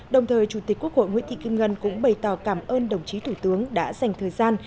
đồng thời chủ tịch quốc hội nguyễn thị kim ngân cũng bày tỏ cảm ơn đồng chí thủ tướng đã dành thời gian